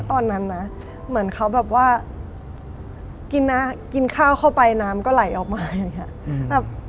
ตอนนั้นน่ะเหมือนเขากินน่ะกินข้าวเข้าไปน้ำก็ไหลออกมาเลยอะค่ะ